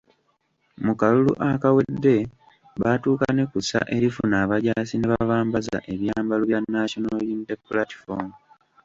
Mu kalulu akawedde baatuuka ne kussa erifuna abajaasi ne babambaza ebyambalo bya National Unity Platform